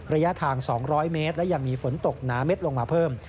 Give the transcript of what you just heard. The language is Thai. ระยะทาง๒๐๐เมตรและยังมีฝนตกหนาเม็ดลงมาเพิ่ม